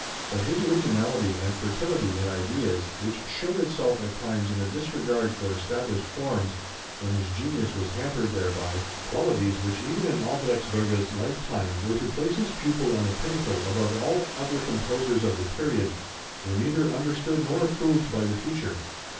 But his originality and fertility in ideas, which showed itself at times in a disregard for established forms when his genius was hampered thereby qualities which even in Albrechtsberger's lifetime were to place his pupil on a pinnacle above all other composers of the period, were neither understood nor approved by the teacher.